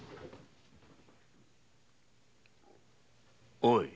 ・おい！